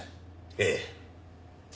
ええ。